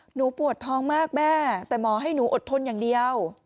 หนูปวดท้องมากแม่แต่หมอให้หนูอดทนอย่างเดียว